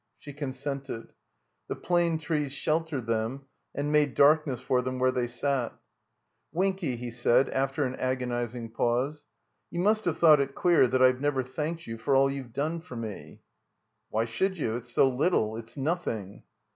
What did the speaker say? She consented. The plane trees sheltered them and made darkness for them where they sat. "Winky," he said, after an agonizing pause, "you must have thought it queer that I've never thanked you for all you've done for me." "Why should you? It's so little. It's nothing."